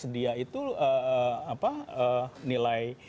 dia itu nilai